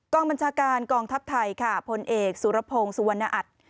บัญชาการกองทัพไทยค่ะพลเอกสุรพงศ์สุวรรณอัตย์